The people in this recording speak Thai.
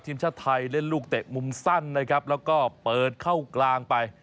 ทีมชาติไทยเล่นลูกเตะมุมสั้นนะครับแล้วก็เปิดเข้ากลางไป